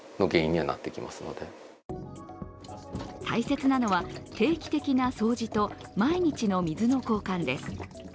大切なのは定期的な掃除と毎日の水の交換です。